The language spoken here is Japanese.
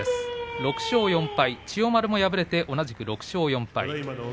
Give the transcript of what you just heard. ６勝４敗、千代丸も敗れて同じく６勝４敗です。